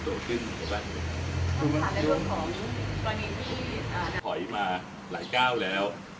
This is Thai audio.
ผ่านมาหลายก้าวแล้ว